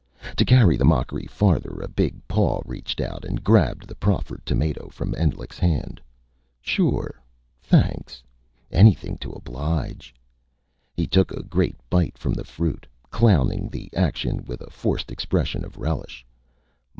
To carry the mockery farther, a big paw reached out and grabbed the proffered tomato from Endlich's hand. "Sure thanks. Anything to oblige!" He took a great bite from the fruit, clowning the action with a forced expression of relish.